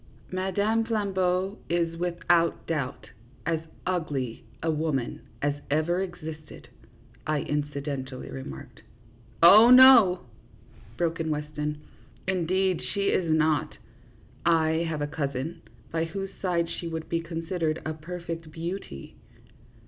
" Madame Flambeau is, without doubt, as ugly a woman as ever existed," I incidentally remarked. " Oh, no," broke in Weston ;" indeed she is not. I have a cousin, by whose side she would be con sidered a perfect beauty."